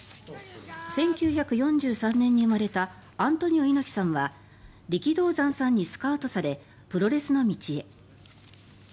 １９４３年に生まれたアントニオ猪木さんは力道山さんにスカウトされプロレスの道へ。